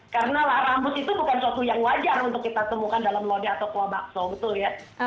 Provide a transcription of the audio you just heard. karena lah rambut itu bukan sesuatu yang wajar untuk kita temukan dalam lodeh atau kuah bakso betul ya